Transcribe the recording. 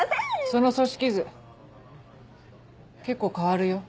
その組織図結構変わるよ。